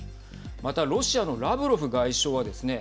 また、ロシアのラブロフ外相はですね